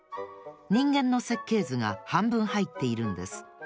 人間の設計図がはんぶんはいっているんです。